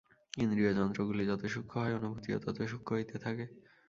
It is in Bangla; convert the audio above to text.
ইন্দ্রিয়যন্ত্রগুলি যত সূক্ষ্ম হয়, অনুভূতিও তত সূক্ষ্ম হইতে থাকে।